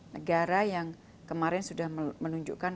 negara yang kemarin sudah menunjukkan